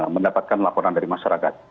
mendapatkan laporan dari masyarakat